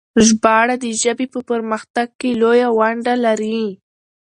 ژباړه د ژبې په پرمختګ کې لويه ونډه لري.